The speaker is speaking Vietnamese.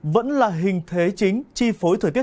vẫn là hình thế chính chi phối thời tiết